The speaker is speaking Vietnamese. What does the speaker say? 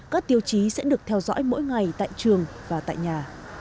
các tiêu chí sẽ được theo dõi mỗi ngày tại trường và tại nhà